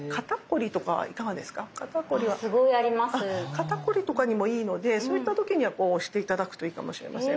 肩凝りとかにもいいのでそういった時には押して頂くといいかもしれません。